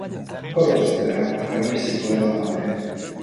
Paul Auster traduit ses poèmes en anglais.